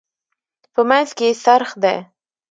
په منځ کې یې څرخ دی.